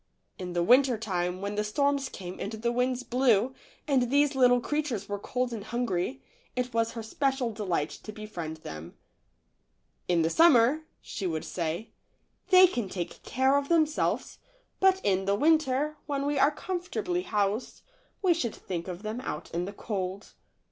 In the winter time, when the storms came and the winds blew, and these little creatures were cold and hungry, it was her special delight to befriend them. w In the summer," she would say, "they can take care of themselves, but in the winter, when we are comfortably housed, we should think of them out in the cold."